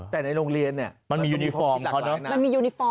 แต่ในโรงเรียนเนี่ยมันมียูนิฟอร์มเขาเนอะมันมียูนิฟอร์ม